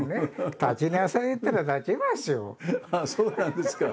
そうなんですか！